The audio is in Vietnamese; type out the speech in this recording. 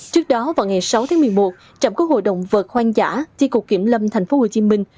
trước đó vào ngày sáu tháng một mươi một trạm quốc hội động vật hoang dã chi cục kiểm lâm thành phố hồ chí minh